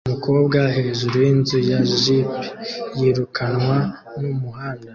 Umukobwa hejuru yinzu ya jeep yirukanwa mumuhanda